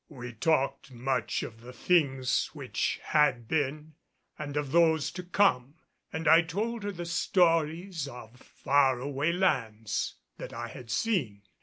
We talked much of the things which had been and of those to come, and I told her the stories of faraway lands that I had seen.